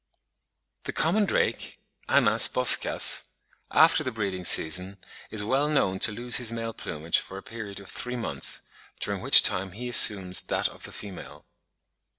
The common drake (Anas boschas), after the breeding season, is well known to lose his male plumage for a period of three months, during which time he assumes that of the female.